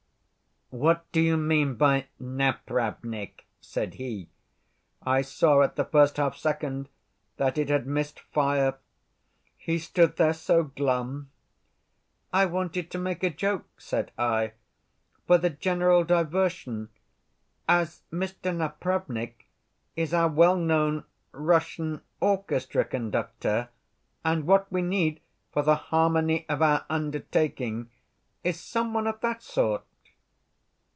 'What do you mean by Napravnik?' said he. I saw, at the first half‐second, that it had missed fire. He stood there so glum. 'I wanted to make a joke,' said I, 'for the general diversion, as Mr. Napravnik is our well‐known Russian orchestra conductor and what we need for the harmony of our undertaking is some one of that sort.